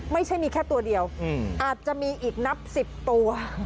ไม่ใช่มีแค่ตัวเดียวอาจจะมีอีกนับ๑๐ตัว